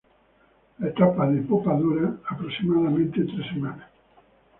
La etapa de pupa dura aproximadamente tres semanas.